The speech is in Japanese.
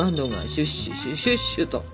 シュッシュシュッシュッシュと。